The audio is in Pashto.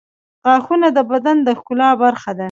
غاښونه د بدن د ښکلا برخه ده.